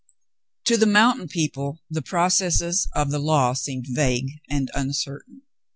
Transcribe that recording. To the mountain people the processes of the law seemed vague and uncertain.